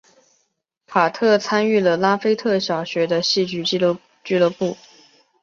卡特参与了拉斐特小学的戏剧俱乐部。